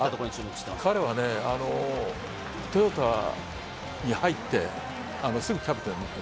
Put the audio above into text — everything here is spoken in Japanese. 彼はトヨタに入ってすぐキャプテンになった。